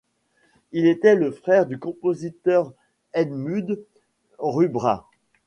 Il était le frère du compositeur Edmund Rubbra.